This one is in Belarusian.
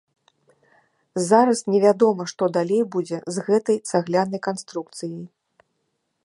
Зараз невядома што далей будзе з гэтай цаглянай канструкцыяй.